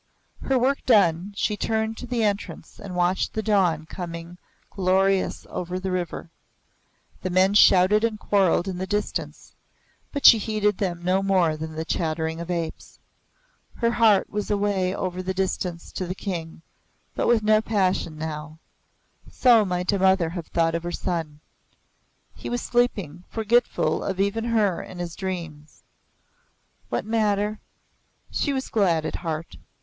Her work done, she turned to the entrance and watched the dawn coming glorious over the river. The men shouted and quarreled in the distance, but she heeded them no more than the chattering of apes. Her heart was away over the distance to the King, but with no passion now: so might a mother have thought of her son. He was sleeping, forgetful of even her in his dreams. What matter? She was glad at heart.